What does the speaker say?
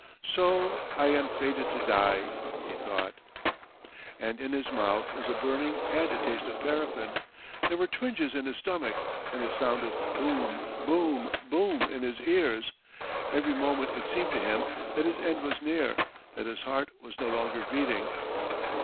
"So I am fated to die," he thought. And in his mouth was a burning and a taste of paraffin, there were twinges in his stomach, and a sound of boom, boom, boom in his ears. Every moment it seemed to him that his end was near, that his heart was no longer beating.